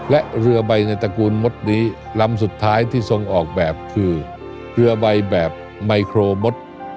และเรือใบในตระกูลมดนี้ลำสุดท้ายที่ทรงออกแบบคือเรือใบแบบไมโครมด